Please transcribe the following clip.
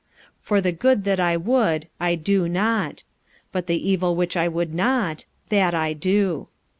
45:007:019 For the good that I would I do not: but the evil which I would not, that I do.